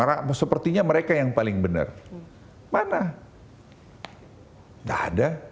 lalu sepertinya mereka yang paling benar mana tidak ada